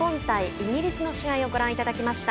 イギリスの試合をご覧いただきました。